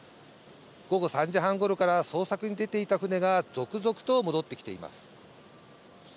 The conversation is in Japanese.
午後３時半ごろから捜索に出ていた船が続々と戻ってきています。